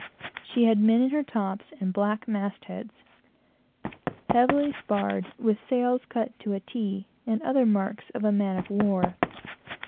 She had men in her tops, and black mast heads; heavily sparred, with sails cut to a t, and other marks of a man of war.